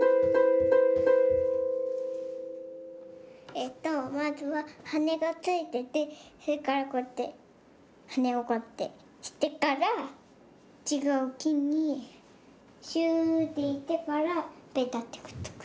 えっとまずははねがついててそれからこうやってはねをこうやってしてからちがうきにシューッていってからベタッてくっつく。